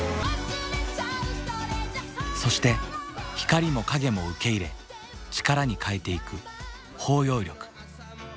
そして光も影も受け入れ力に変えていく包容力。